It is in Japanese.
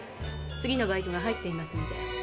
次のバイトが入っていますので。